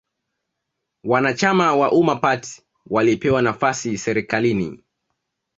Wanachama wa Umma party walipewa nafasi serikalini